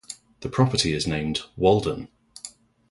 The property is named "Walden".